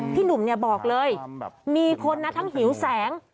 พี่หนุ่มบอกเลยมีคนทั้งหิวแสง